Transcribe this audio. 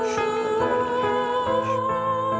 saya menuntut noise